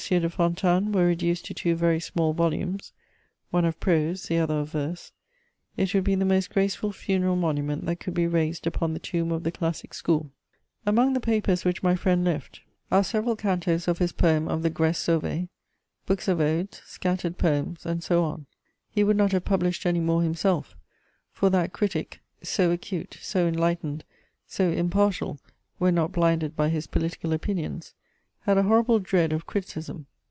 de Fontanes were reduced to two very small volumes, one of prose, the other of verse, it would be the most graceful funeral monument that could be raised upon the tomb of the classic school. Among the papers which my friend left are several cantoes of his poem of the Grèce Sauvée, books of odes, scattered poems, and so on. He would not have published any more himself: for that critic, so acute, so enlightened, so impartial when not blinded by his political opinions, had a horrible dread of criticism.